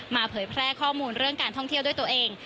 เผยแพร่ข้อมูลเรื่องการท่องเที่ยวด้วยตัวเอง